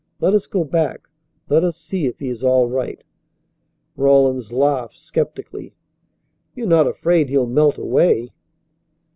Let us go back. Let us see if he is all right." Rawlins laughed skeptically. "You're not afraid he'll melt away!"